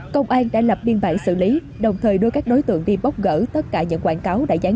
công an đã lập biên bản xử lý đồng thời đưa các đối tượng đi bóc gỡ tất cả những quảng cáo đã dán